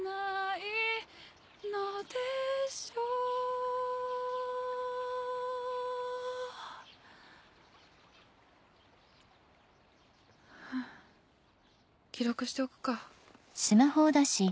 うん記録しておくか。